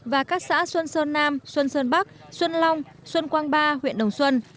và các xã xuân sơn nam xuân sơn bắc xuân long xuân quang ba huyện đồng xuân